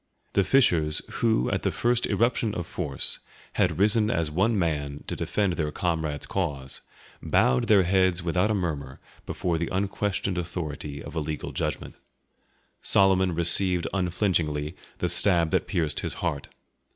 The fishers who, at the first irruption of force, had risen as one man to defend their comrade's cause, bowed their heads without a murmur before the unquestioned authority of a legal judgment. Solomon received unflinchingly the stab that pierced his heart.